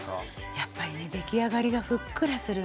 やっぱりね出来上がりがふっくらするんですね。